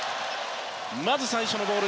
まず最初のボール